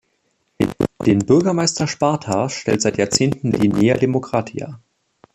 Den Bürgermeister Spartas stellt seit Jahrzehnten die Nea Dimokratia.